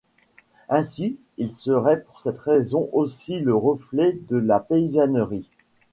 Ainsi il serait pour cette raison aussi le reflet de la paysannerie.